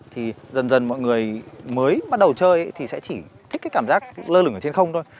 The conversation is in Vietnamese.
thì dần dần mọi người mới bắt đầu chơi thì sẽ chỉ thích cái cảm giác lơ lửng ở trên không thôi